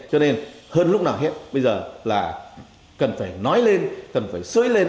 cho nên hơn lúc nào hết bây giờ là cần phải nói lên cần phải xới lên